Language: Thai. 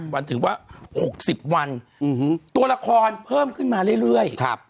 วันถือว่า๖๐วันตัวละครเพิ่มขึ้นมาเรื่อย